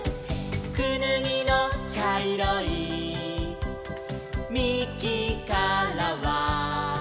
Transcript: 「くぬぎのちゃいろいみきからは」